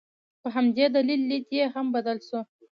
په همدې دلیل لید یې هم بدل دی.